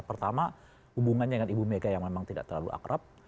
pertama hubungannya dengan ibu mega yang memang tidak terlalu akrab